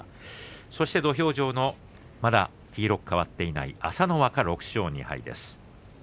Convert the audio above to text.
そして土俵上のまだ黄色く変わっていない朝乃若２敗です。